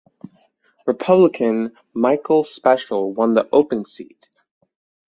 Republican Michael Speciale won the open seat.